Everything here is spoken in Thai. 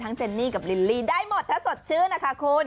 เจนนี่กับลิลลี่ได้หมดถ้าสดชื่นนะคะคุณ